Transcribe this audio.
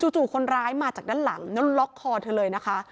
จู่คนร้ายมาจากด้านหลังแล้วล็อกคอเธอเลยนะคะ